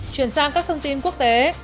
chuyển sang các thông tin quốc tế